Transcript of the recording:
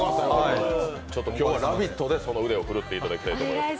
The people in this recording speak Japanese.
今日は「ラヴィット！」でその腕を振るっていただきたいと思います。